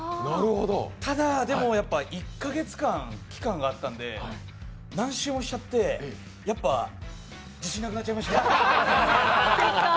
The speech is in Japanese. ただ、１カ月間期間があったので、何周もしちゃって、やっぱ、自信なくなっちゃいました